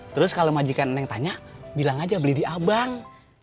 terus kalau majikan neng tanya bilang aja beli di abang